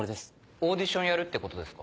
オーディションやるってことですか？